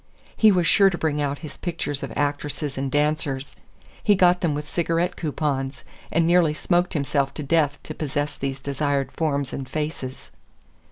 He was sure to bring out his pictures of actresses and dancers. He got them with cigarette coupons, and nearly smoked himself to death to possess these desired forms and faces.